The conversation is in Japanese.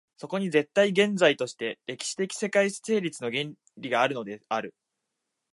そこに絶対現在として歴史的世界成立の原理があるのである。